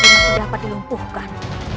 tapi masih dapat dilumpuhkan